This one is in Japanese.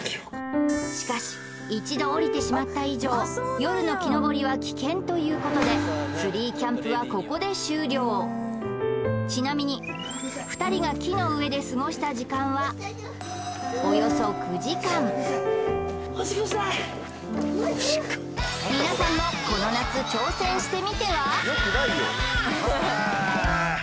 しかし一度下りてしまった以上夜の木登りは危険ということでツリーキャンプはここで終了ちなみに２人が木の上で過ごした時間はおよそ９時間皆さんもこの夏挑戦してみては？